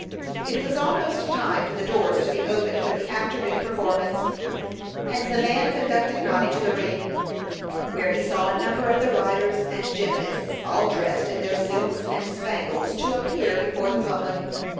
It was almost time for the doors to be opened for the afternoon performance, and the man conducted Noddy to the ring, where he saw a number of the riders and gymnasts, all dressed in their silks and spangles to appear before the public.